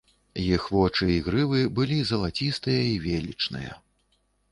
Іх вочы і грывы былі залацістыя і велічныя.